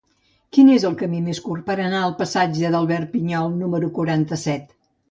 Quin és el camí més curt per anar al passatge d'Albert Pinyol número quaranta-set?